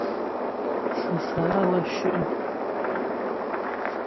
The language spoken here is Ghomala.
Fə́fá'a wə́ shʉ'.